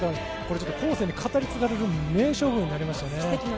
後世に語り継がれる名勝負になりましたね。